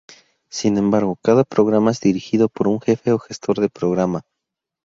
Sin embargo cada programa es dirigido por un jefe o gestor de programa.